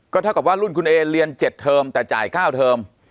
เท่ากับว่ารุ่นคุณเอเรียน๗เทอมแต่จ่าย๙เทอม